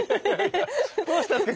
どうしたんですか？